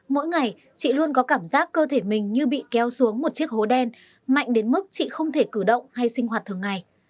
mỗi ngày chị luôn có cảm giác cơ thể mình như bị kéo xuống một chiếc hố đen mạnh đến mức chị không thể cử động hay sinh hoạt thường ngày